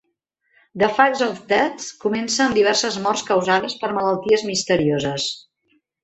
"The Facts of Death" comença amb diverses morts causades per malalties misterioses.